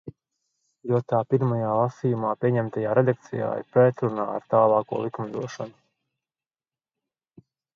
Jo tā pirmajā lasījumā pieņemtajā redakcijā ir pretrunā ar tālāko likumdošanu.